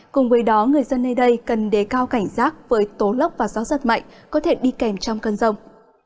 cùng với đó người dân nơi đây cần đề cao cảnh giác với tố lốc và gió rất mạnh có thể đi kèm trong cơn rông